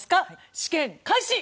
試験開始！